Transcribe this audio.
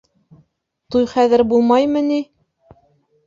Туй хәҙер булмаймы ни?